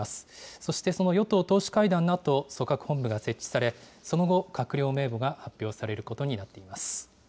そしてその与党党首会談のあと、組閣本部が設置され、その後、閣僚名簿が発表されることになっています。